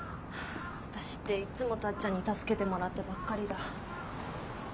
私っていっつもタッちゃんに助けてもらってばっかりだ。